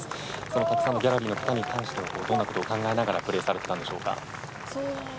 そのたくさんのギャラリーの方に関してはどんなことを考えながらプレーをされていたんでしょうか。